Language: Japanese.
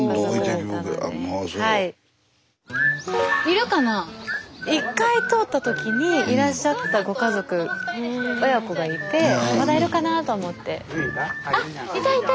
スタジオ一回通った時にいらっしゃったご家族親子がいてまだいるかなと思って。